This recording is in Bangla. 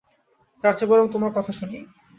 তারচে বরং তোমার কথা শুনি।